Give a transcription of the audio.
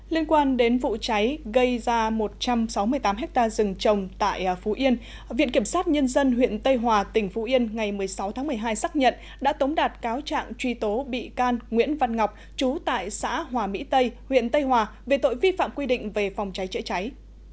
liên quan đến vụ cháy gây ra một trăm sáu mươi tám ha rừng trồng tại phú yên viện kiểm sát nhân dân huyện tây hòa tỉnh phú yên ngày một mươi sáu tháng một mươi hai xác nhận đã tống đạt cáo trạng truy tố bị can nguyễn văn ngọc chú tại xã hòa mỹ tây huyện tây hòa về tội vi phạm quy định về phòng cháy chữa cháy